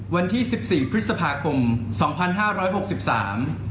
วันที่สิบสี่พฤษภาคมสองพันห้าร้อยหกสิบสาม